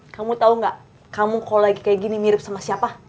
kamu tau gak kamu kalau lagi kayak gini mirip sama siapa